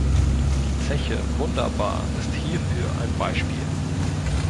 Die Zeche Wunderbar ist hierfür ein Beispiel.